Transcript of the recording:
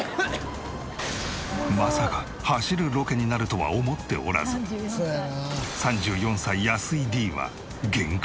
まさか走るロケになるとは思っておらず３４歳安井Ｄは限界。